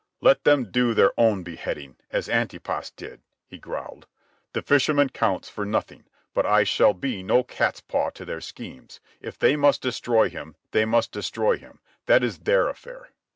"Let them do their own beheading, as Antipas did," he growled. "The fisherman counts for nothing; but I shall be no catspaw to their schemes. If they must destroy him, they must destroy him. That is their affair."